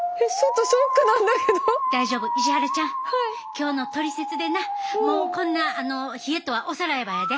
今日のトリセツでなもうこんな冷えとはおさらばやで。